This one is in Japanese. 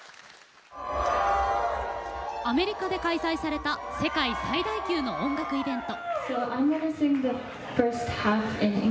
アメリカで開催された世界最大級の音楽イベント。